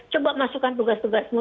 coba masukkan tugas tugasmu